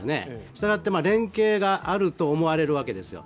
したがって連携があると思われるわけですよ。